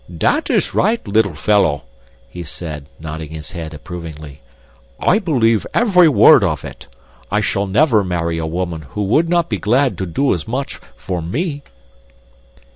"That is right, little fellow," he said, nodding his head approvingly. "I believe every word of it. I shall never marry a woman who would not be glad to do as much for ME."